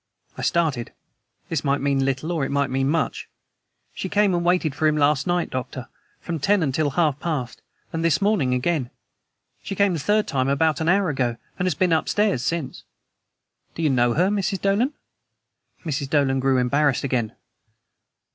I started. This might mean little or might mean much. "She came and waited for him last night, Doctor from ten until half past and this morning again. She came the third time about an hour ago, and has been upstairs since." "Do you know her, Mrs. Dolan?" Mrs. Dolan grew embarrassed again.